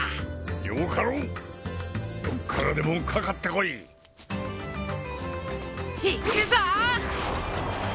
よかろうどこからでもかかってこいいくぞ！